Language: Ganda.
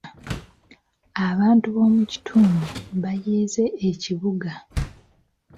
Abantu b'omu kitundu baayeze ekibuga.